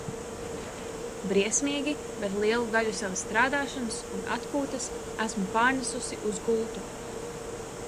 Briesmīgi, bet lielu daļu savas strādāšanas un atpūtas esmu pārnesusi uz gultu.